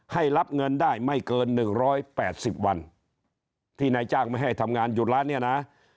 ให้รับเงินได้ไม่เกินหนึ่งร้อยแปดสิบวันที่นายจ้างไม่ให้ทำงานหยุดแล้วเนี่ยนะ